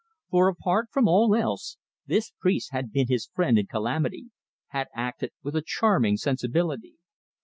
For, apart from all else, this priest had been his friend in calamity, had acted with a charming sensibility.